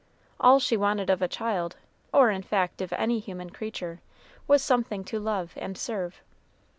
All she wanted of a child, or in fact of any human creature, was something to love and serve.